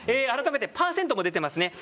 改めてパーセントも出ています。